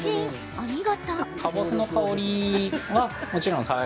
お見事！